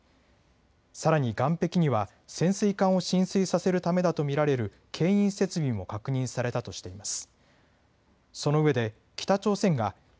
さらに岸壁には潜水艦を進水させるためだと見られるけん引設備も確認されたとしています。